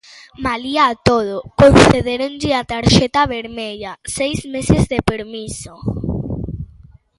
Malia a todo, concedéronlle a tarxeta vermella, seis meses de permiso.